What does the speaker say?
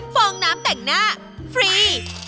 ฟองน้ำแต่งหน้าฟรี